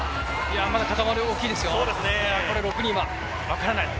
まだ、かたまり大きいですよ。